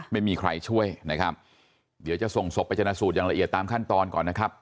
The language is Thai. ไม่มีใครช่วยนะครับเดี๋ยวจะส่งศพไปชนะสูตรอย่างละเอียดตามขั้นตอนก่อนนะครับ